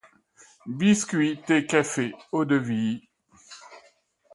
Biscuits, thé, Café, eau-de-vie,...